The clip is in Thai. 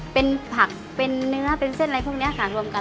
เป็นผักเป็นเนื้อเป็นเส้นอะไรพวกนี้ค่ะรวมกัน